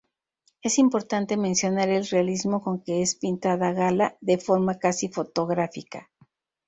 Es importante mencionar el realismo con que es pintada Gala, de forma casi fotográfica.